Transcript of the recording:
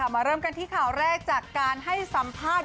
เริ่มกันที่ข่าวแรกจากการให้สัมภาษณ์